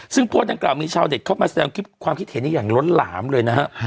ซึ่งโพสต์ดังกล่าวมีชาวเด็ดเข้ามาแสดงความคิดเห็นอย่างล้นหลามเลยนะฮะ